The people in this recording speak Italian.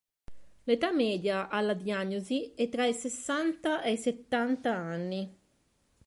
L'età media alla diagnosi è tra i sessanta e i settanta anni.